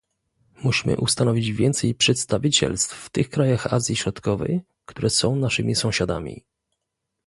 Musimy ustanowić więcej przedstawicielstw w tych krajach Azji Środkowej, które są naszymi sąsiadami